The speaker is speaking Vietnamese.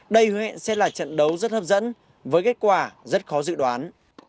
đây hứa hẹn sẽ là trận đấu rất hấp dẫn với kết quả rất khó dự đoán